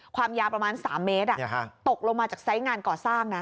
ความยาประมาณสามเมตรอ่ะนี่ค่ะตกลงมาจากใส่งานก่อสร้างนะ